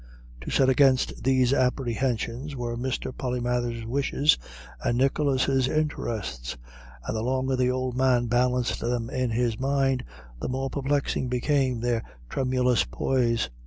To set against these apprehensions were Mr. Polymathers's wishes and Nicholas's interests; and the longer the old man balanced them in his mind, the more perplexing became their tremulous poise.